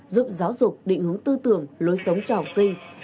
giúp giáo dục định hướng tư tưởng lối sống cho học sinh